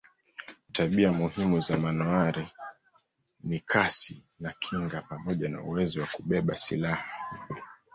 Tabia muhimu za manowari ni kasi na kinga pamoja na uwezo wa kubeba silaha.